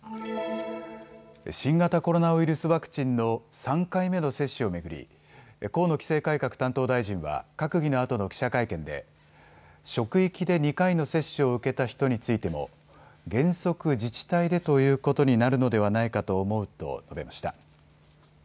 新型コロナウイルスワクチンの３回目の接種を巡り、河野規制改革担当大臣は閣議のあとの記者会見で職域で２回の接種を受けた人についても原則、自治体でということになるのではないかと思うと述べました。